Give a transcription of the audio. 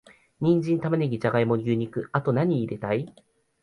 ニンジン、玉ネギ、ジャガイモ、牛肉……あと、なに入れたい？